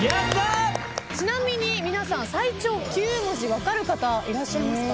ちなみに皆さん最長９文字分かる方いらっしゃいますか？